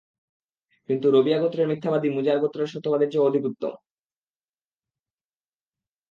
কিন্তু রবীয়া গোত্রের মিথ্যাবাদী মুযার গোত্রের সত্যবাদীর চেয়ে অধিক উত্তম।